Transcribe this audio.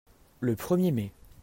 Le premier mai.